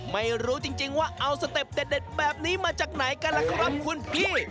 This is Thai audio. ไม่รู้จริงว่าเอาสเต็ปเด็ดแบบนี้มาจากไหนกันล่ะครับคุณพี่